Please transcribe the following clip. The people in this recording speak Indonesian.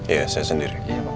iya saya sendiri